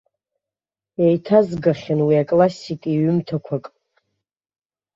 Еиҭазгахьан уи аклассик иҩымҭақәак.